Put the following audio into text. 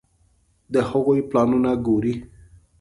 د هغوی پلانونه ګوري.